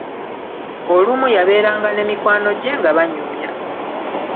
Olumu yabeeranga n'emikwano gye nga banyumya.